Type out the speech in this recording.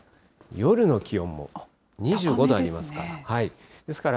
夜の気温も２５度ありますから。